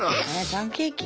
パンケーキ？